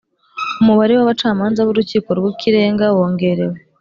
Umubare w abacamanza b Urukiko rw Ikirenga wongerewe